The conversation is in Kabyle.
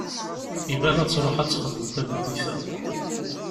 Iban ad tṛuḥ ad texdem tameddit-a.